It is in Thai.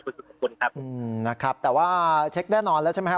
คุณสุดขอบคุณครับอืมนะครับแต่ว่าเช็คแน่นอนแล้วใช่ไหมฮะ